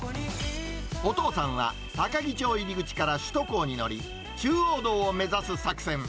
お父さんは、高樹町入り口から首都高に乗り、中央道を目指す作戦。